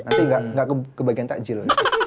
nanti nggak kebagian takjil